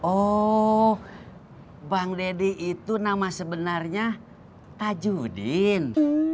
oh bang deddy itu nama sebenarnya tajudin